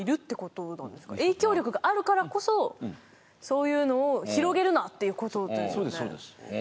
影響力があるからこそそういうのを広げるなっていうことですよね？